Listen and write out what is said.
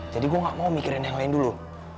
jadi gue gak mau mikirin yang lain dulu